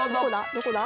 どこだ？